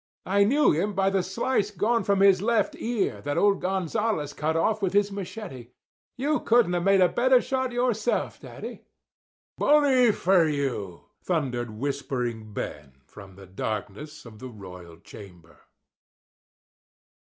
I knew him by the slice gone from his left ear that old Gonzales cut off with his machete. You couldn't have made a better shot yourself, daddy." "Bully for you!" thundered Whispering Ben from the darkness of the royal chamber.